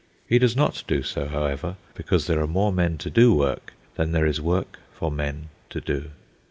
He does not do so, however, because there are more men to do work than there is work for men to do.